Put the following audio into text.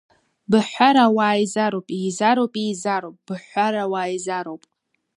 Быҳәҳәар ауаа еизароуп, еизароуп, еизароуп, быҳәҳәар ауаа еизароуп!